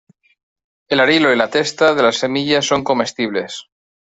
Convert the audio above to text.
El arilo y la testa de la semilla son comestibles.